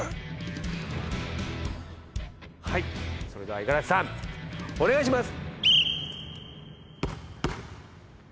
はいそれでは五十嵐さんお願いします。